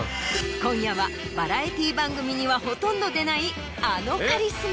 今夜はバラエティー番組にはほとんど出ないあのカリスマ。